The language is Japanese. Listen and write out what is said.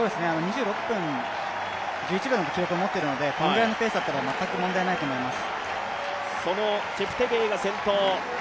２６分１１秒の記録を持っているので、このぐらいのペースだったら全く問題ないと思います。